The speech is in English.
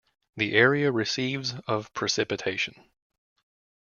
The area receives of precipitation.